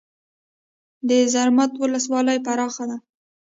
د زرمت ولسوالۍ پراخه ده